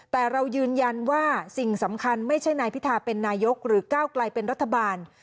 แต่เรายืนยันว่าสิ่งสำคัญไม่ใช่นายพิธาเป็นนายกหรือก้าวไกลเป็นรัฐบาล